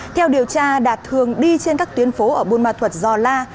theo điều tra đạt thường đi trên các tuyến phố ở buôn ma thuật giò la